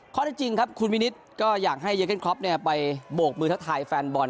ข้อที่จริงครับคุณวินิศก็อยากให้เยอร์เก็นครอปเนี่ยไปโบกมือทะทายแฟนบอล